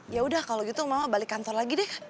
yaudah kalau gitu mama balik kantor lagi deh